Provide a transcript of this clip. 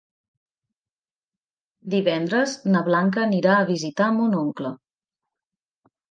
Divendres na Blanca anirà a visitar mon oncle.